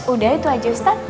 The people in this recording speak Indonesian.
udah itu aja ustaz